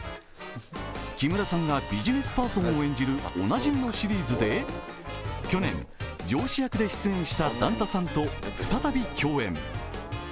木村さんがビジネスパーソンを演じるおなじみのシリーズで去年、上司役で出演した段田さんと再び共演。